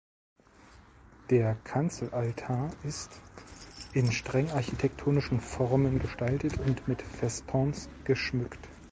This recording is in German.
Der Kanzelaltar ist in streng architektonischen Formen gestaltet und mit Festons geschmückt.